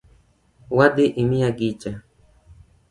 Wadhi imiya gicha